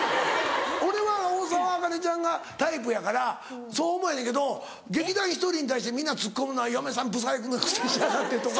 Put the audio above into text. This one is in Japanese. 俺は大沢あかねちゃんがタイプやからそう思わへんけど劇団ひとりに対してみんなツッコむのは「嫁さんブサイクなくせしやがって」とか。